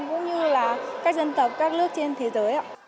cũng như là các dân tộc các nước trên thế giới